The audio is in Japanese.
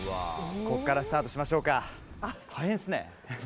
ここからスタートしましょうか。